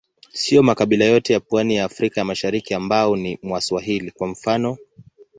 Siyo makabila yote ya pwani ya Afrika ya Mashariki ambao ni Waswahili, kwa mfano.